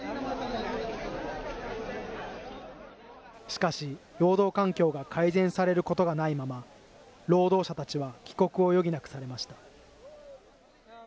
しかし、労働環境が改善されることがないまま、労働者たちは帰国を余儀なくされました。